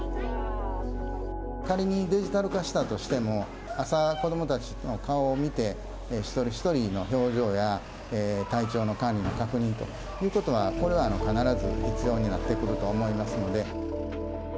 仮にデジタル化したとしても、朝、子どもたちの顔を見て、一人一人の表情や体調の管理、確認ということが、これは必ず必要になってくると思いますので。